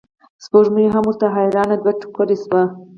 سپوږمۍ هم ورته حیرانه دوه توکړې شوه.